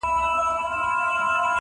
که دښمن لرې په ښار کي راته وایه!!